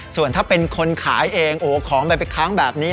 ส่วนถ้าเป็นคนขายเองโอ้โหของมันไปค้างแบบนี้